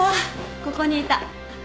ここにいた。